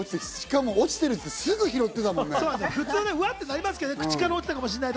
フリスク落ちてるって言って、すぐ拾ってたもんね。